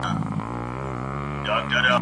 سمدستي سوله مېړه ته لاس ترغاړه ..